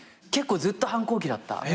結構ずっと反抗期だった。